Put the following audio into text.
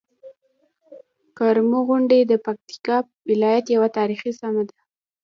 کرمو غونډۍ د پکتيکا ولايت یوه تاريخي سيمه ده.